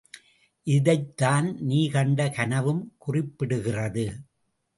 இதைத் தான் நீ கண்ட கனவும் குறிப்பிடுகிறது!